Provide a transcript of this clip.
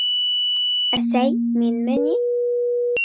Әсәй, минме ни?